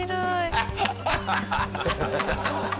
アハハハ！